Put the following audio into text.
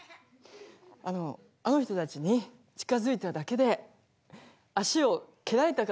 あのあの人たちに近づいただけで足を蹴られたからです。